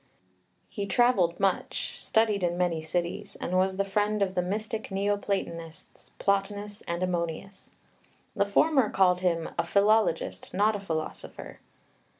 He travelled much, studied in many cities, and was the friend of the mystic Neoplatonists, Plotinus and Ammonius. The former called him "a philologist, not a philosopher."